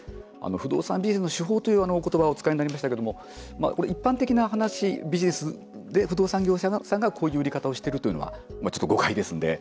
不動産にビジネスの手法というお言葉をお使いになりましたけれどもこれ、一般的な話ビジネスで、不動産業者さんがこういう売り方をしているというのは誤解ですので。